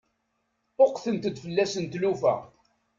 Ṭṭuqqtent-d fell-asen tlufa.